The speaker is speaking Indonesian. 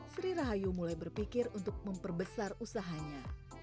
sri rahayu mulai berpikir untuk memperbesar usahanya